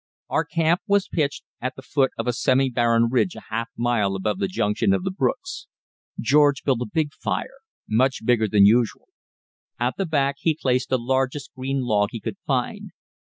Our camp was pitched at the foot of a semi barren ridge a half mile above the junction of the brooks. George built a big fire much bigger than usual. At the back he placed the largest green log he could find.